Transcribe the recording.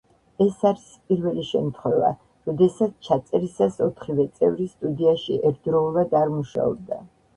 ეს არის პირველი შემთხვევა, როდესაც ჩაწერისას ოთხივე წევრი სტუდიაში ერთდროულად არ მუშაობდა.